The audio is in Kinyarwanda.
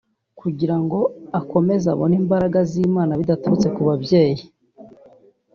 kugira ngo akomeze abone imbaraga z'Imana bidaturutse ku babyeyi